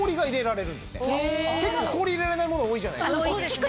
氷入れられないもの多いじゃないですか。